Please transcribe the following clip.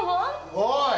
おい！